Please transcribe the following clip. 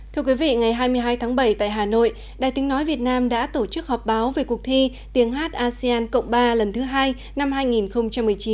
thưa quý vị ngày hai mươi hai tháng bảy tại hà nội đài tiếng nói việt nam đã tổ chức họp báo về cuộc thi tiếng hát asean cộng ba lần thứ hai năm hai nghìn một mươi chín